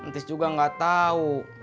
tis juga gak tau